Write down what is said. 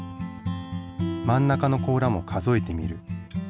真ん中の甲羅も数えてみる。